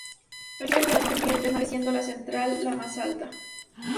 Originariamente la basílica disponía de tres naves, siendo la central la más alta.